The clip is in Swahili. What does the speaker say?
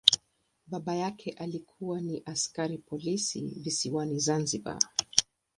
Baba yake alikuwa ni askari polisi visiwani Zanzibar.